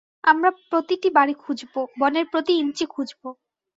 আমরা প্রতিটি বাড়ি খুঁজব, বনের প্রতি ইঞ্চি খুঁজব।